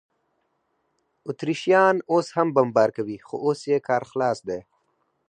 اتریشیان اوس هم بمبار کوي، خو اوس یې کار خلاص دی.